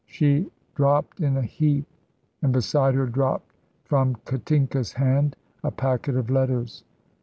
She dropped in a heap, and beside her dropped from Katinka's hand a packet of letters.